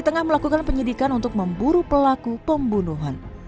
tengah melakukan penyidikan untuk memburu pelaku pembunuhan